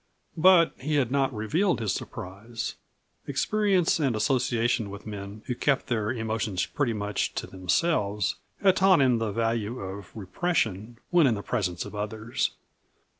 But he had not revealed his surprise. Experience and association with men who kept their emotions pretty much to themselves had taught him the value of repression when in the presence of others.